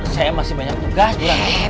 saya masih banyak tugas bu ranti